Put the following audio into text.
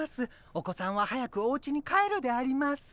お子さんは早くおうちに帰るであります。